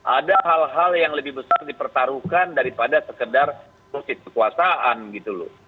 ada hal hal yang lebih besar dipertaruhkan daripada sekedar covid kekuasaan gitu loh